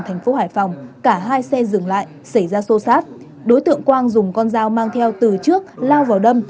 tp hải phòng cả hai xe dừng lại xảy ra sô sát đối tượng quang dùng con dao mang theo từ trước lao vào đâm